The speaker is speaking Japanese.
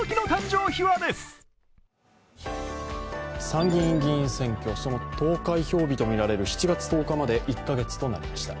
参議院議員選挙、その投開票日とみられる７月１０日まで１カ月となりました。